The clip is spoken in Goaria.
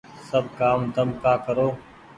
سب ڪآم تم ڪآ ڪرو